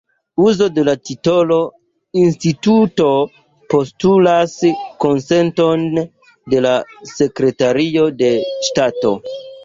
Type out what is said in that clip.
Uzo de la titolo 'Instituto' postulas konsenton de la Sekretario de Ŝtato.